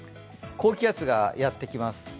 高気圧がやってきます。